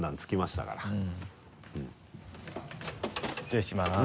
失礼します。